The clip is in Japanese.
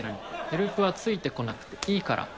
ヘルプはついてこなくていいから。